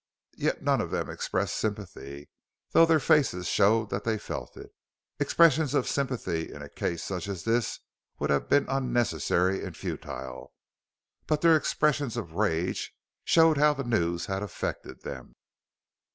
Yet none of them expressed sympathy, though their faces showed that they felt it. Expressions of sympathy in a case such as this would have been unnecessary and futile. But their expressions of rage showed how the news had affected them.